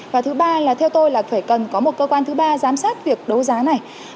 và thứ ba là theo tôi là phải cần có một cơ quan thứ ba giám sát việc đấu giá này